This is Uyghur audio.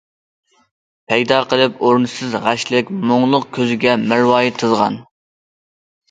پەيدا قىلىپ ئورۇنسىز غەشلىك، مۇڭلۇق كۆزگە مەرۋايىت تىزغان.